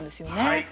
はい。